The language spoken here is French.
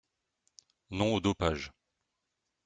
Non au dopage